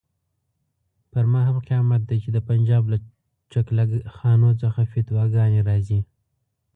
پر ما هم قیامت دی چې د پنجاب له چکله خانو څخه فتواګانې راځي.